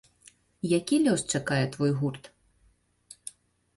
Які лёс чакае твой гурт?